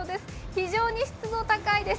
非常に湿度高いです。